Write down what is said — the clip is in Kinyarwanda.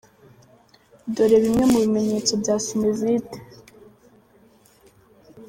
Dore bimwe mu bimenyetso bya sinezite.